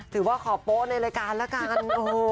ถือว่าขอโป๊ะในรายการละกัน